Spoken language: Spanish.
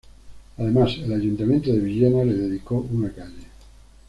Además, el ayuntamiento de Villena le dedicó una calle.